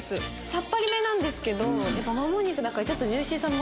さっぱりめなんですけどもも肉だからジューシーさも。